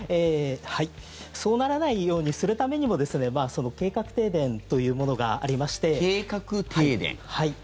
そうならないようにするためにも計画停電というものがありまして。